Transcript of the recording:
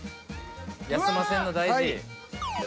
休ませるの大事。